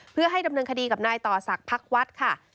เพื่อให้ดำเนินคดีกับนายต่อศักดิ์พักวัดค่ะ